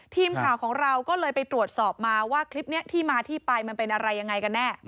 ทีมข่าวของเราก็เลยไปตรวจสอบมาว่าคลิปนี้ที่มาที่ไปมันเป็นอะไรยังไงกันแน่